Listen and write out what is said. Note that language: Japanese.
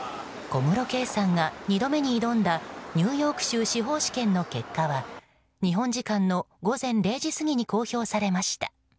小室圭さんが２度目に挑んだニューヨーク州司法試験の結果は日本時間の午前０時過ぎに公表されました。